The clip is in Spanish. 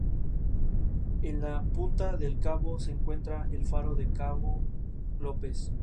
En la punta del cabo se encuentra el faro del cabo López.